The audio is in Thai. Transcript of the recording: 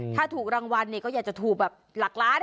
ถ้าถูกรางวัลก็อยากจะถูกแบบหลักล้าน